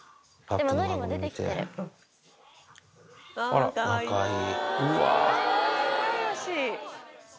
あら、仲いい。